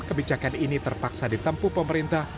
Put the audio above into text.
kebijakan ini terpaksa ditempuh pemerintah